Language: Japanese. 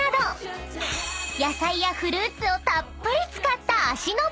［野菜やフルーツをたっぷり使った］